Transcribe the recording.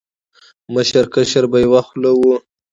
مشر، کشر په یو خوله و